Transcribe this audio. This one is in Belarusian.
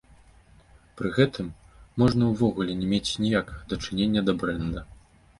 Пры гэтым, можна ўвогуле не мець ніякага дачынення да брэнда.